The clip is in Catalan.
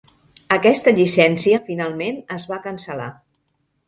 Aquesta llicència finalment es va cancel·lar.